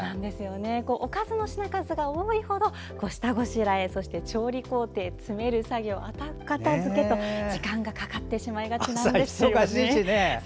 おかずの品数が多いほど下ごしらえ、そして調理工程詰める作業から後片づけと時間がかかってしまいがちですよね。